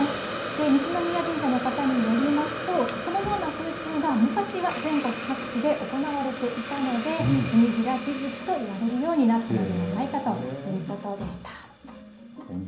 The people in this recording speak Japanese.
西宮神社の方によりますと、このような風習が昔は全国各地で行われていたので、文披月と言われるようになったのではないかということでした。